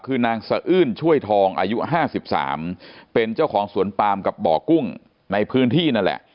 คือนางสะอื้นช่วยทองอายุ๕๓เป็นเจ้าของสวนปามกับบ่อกุ้งในพื้นที่นั่นแหละ